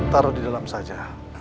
taruh di dalam saja